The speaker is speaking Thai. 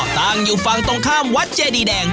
ตั้งอยู่ฝั่งตรงข้ามวัดเจดีแดง